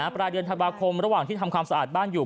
ปลายเดือนธันวาคมระหว่างที่ทำความสะอาดบ้านอยู่